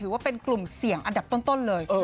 ว่าเป็นกลุ่มเสี่ยงอันดับต้นเลย